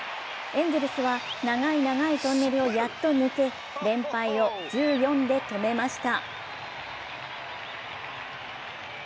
エンゼルスは長い長いトンネルをやっと抜け連敗を１４で止めました。